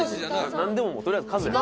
何でも取りあえず数やな。